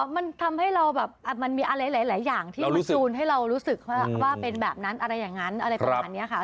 มันทำให้เราแบบมันมีอะไรหลายอย่างที่มันซูนให้เรารู้สึกว่าเป็นแบบนั้นอะไรอย่างนั้นอะไรประมาณนี้ค่ะ